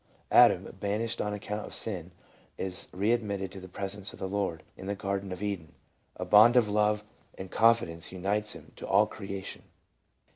Adam, banished on account of sin, is readmitted to the presence of the Lord in the • garden of Eden ; a bond of love and confidence unites him to all crea tion.